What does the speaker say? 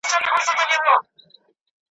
که سړی هر څه ناروغ وو په ځان خوار وو ,